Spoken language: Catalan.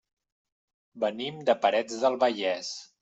Venim de Parets del Vallès.